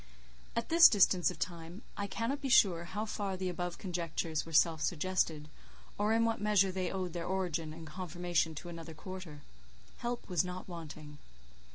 At this distance of time, I cannot be sure how far the above conjectures were self suggested: or in what measure they owed their origin and confirmation to another quarter. Help was not wanting.